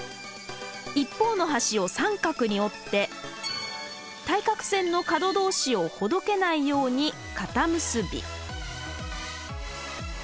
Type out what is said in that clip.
一方の端を三角に折って対角線の角同士をほどけないように固結び。